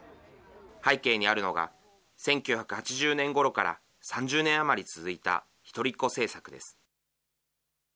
背景にあるのが、１９８０年ごろから３０年余り続いた一人っ子政策です。